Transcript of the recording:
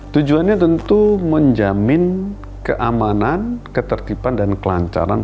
tujuannya tentu menjamin keamanan ketertiban dan kelancaran